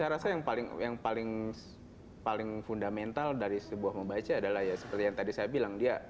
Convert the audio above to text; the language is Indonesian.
saya rasa yang paling fundamental dari sebuah membaca adalah ya seperti yang tadi saya bilang